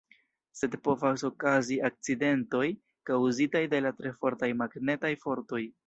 Sed povas okazi akcidentoj kaŭzitaj de la tre fortaj magnetaj fortoj.